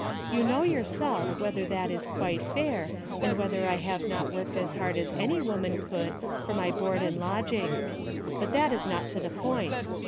You know yourself whether that is quite fair, and whether I have not worked as hard as any woman could for my board and lodging. But that is not to the point.